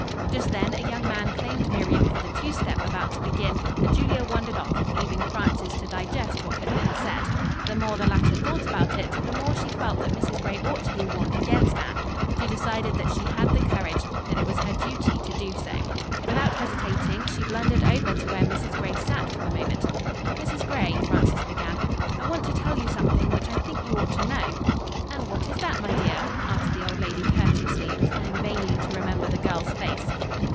Just then a young man claimed Miriam for the two step about to begin, and Julia wandered off, leaving Frances to digest what had been said. The more the latter thought about it, the more she felt that Mrs. Gray ought to be warned against Anne. She decided that she had the courage; that it was her duty to do so. Without hesitating, she blundered over to where Mrs. Gray sat for the moment. "Mrs. Gray," Frances began, "I want to tell you something which I think you ought to know." "And what is that, my dear?" asked the old lady courteously, trying vainly to remember the girl's face.